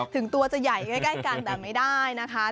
ถึงตัวจะใหญ่ใกล้กันแต่ไม่ได้นะคะ